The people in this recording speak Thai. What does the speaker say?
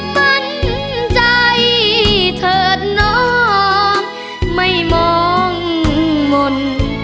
ฝันใจเถิดน้องไม่มองมนต์